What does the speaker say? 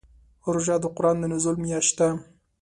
روژه د قرآن د نزول میاشت ده.